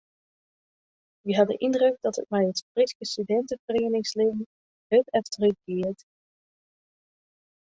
Wy ha de yndruk dat it mei it Fryske studinteferieningslibben hurd efterútgiet.